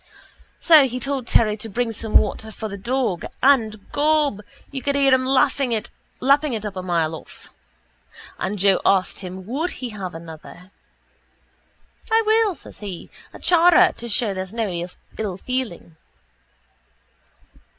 So he told Terry to bring some water for the dog and, gob, you could hear him lapping it up a mile off. And Joe asked him would he have another. —I will, says he, a chara, to show there's no ill feeling.